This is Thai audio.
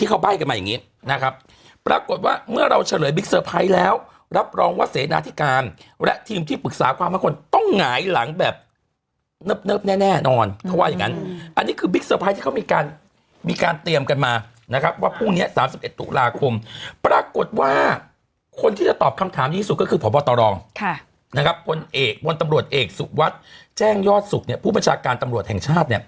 ที่อยู่ในแบบว่าจุดตรงกลางแล้วอยู่ในนี้มีเสียงปืนมาเหมือนมีผู้บาดเจ็บ